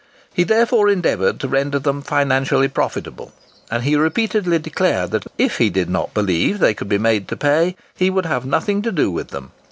He therefore endeavoured to render them financially profitable; and he repeatedly declared that if he did not believe they could be "made to pay," he would have nothing to do with them.